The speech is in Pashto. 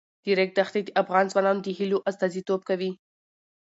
د ریګ دښتې د افغان ځوانانو د هیلو استازیتوب کوي.